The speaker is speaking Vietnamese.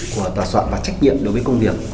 của tòa soạn và trách nhiệm đối với công việc